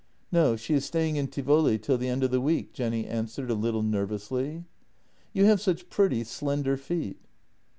" No; she is staying in Tivoli till the end of the week," Jenny answered a little nervously. " You have such pretty, slender feet."